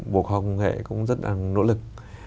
bộ khoa học công nghệ cũng rất đang nỗ lực